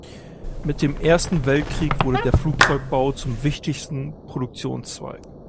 Mit dem Ersten Weltkrieg wurde der Flugzeugbau zum wichtigsten Produktionszweig.